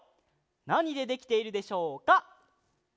なにでできているでしょうか？